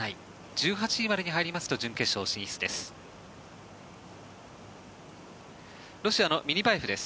１８位までに入りますと準決勝進出です。